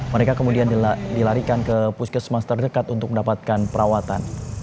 mereka kemudian dilarikan ke puskesmas terdekat untuk mendapatkan perawatan